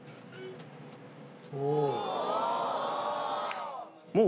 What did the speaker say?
おお。